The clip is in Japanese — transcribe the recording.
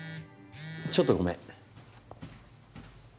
ちょっとごめん。